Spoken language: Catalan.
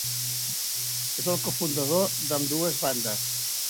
És el cofundador d'ambdues bandes.